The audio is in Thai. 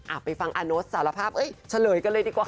ไปฟังอาโน๊ตสารภาพเอ้ยเฉลยกันเลยดีกว่า